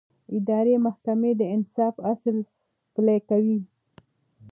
اداري محکمې د انصاف اصل پلي کوي.